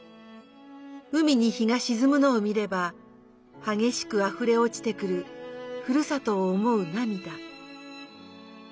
海に日がしずむのを見ればはげしくあふれ落ちてくるふるさとを思うなみだ。